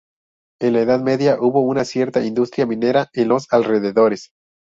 En la Edad Media hubo una cierta industria minera en los alrededores.